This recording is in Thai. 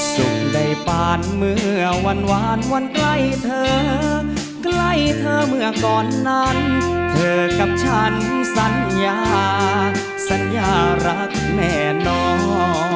สุขได้ปานเมื่อวันใกล้เธอใกล้เธอเมื่อก่อนนั้นเธอกับฉันสัญญาสัญญารักแน่นอน